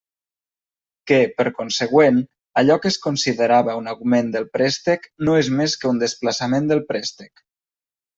Que, per consegüent, allò que es considerava un augment del préstec no és més que un desplaçament del préstec.